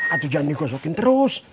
atu jangan digosokin terus